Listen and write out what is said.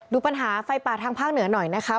ดูปัญหาไฟป่าทางภาคเหนือหน่อยนะคะ